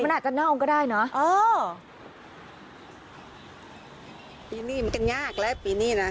มันอาจกัดหน้าองค์ก็ได้เนอะ